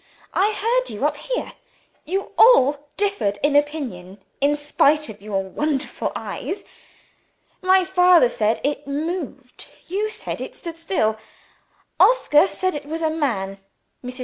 "I heard you up here. You all differed in opinion, in spite of your wonderful eyes. My father said it moved. You said it stood still. Oscar said it was a man. Mrs.